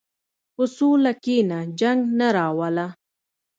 په سوله کښېنه، جنګ نه راوله.